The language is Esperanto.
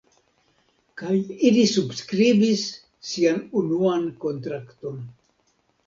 Kaj ili subskribis sian unuan kontrakton.